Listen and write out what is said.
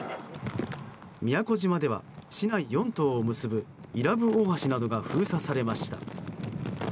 宮古島では市内４島を結ぶ伊良部大橋などが封鎖されました。